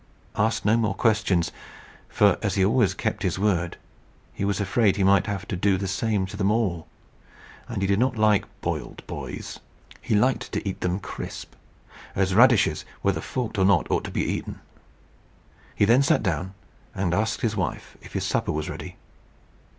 asked no more questions; for, as he always kept his word, he was afraid he might have to do the same to them all; and he did not like boiled boys. He like to eat them crisp, as radishes, whether forked or not, ought to be eaten. He then sat down, and asked his wife if his supper was ready.